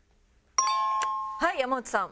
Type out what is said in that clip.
はい山内さん。